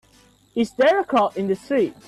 Is there a crowd in the street?